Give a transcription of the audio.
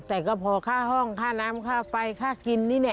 แต่ก็พอค่าห้องค่าน้ำค่าไฟค่ากินนี่เนี่ย